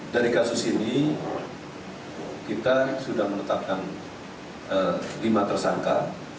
dari kasus ini kita sudah menetapkan lima tersangka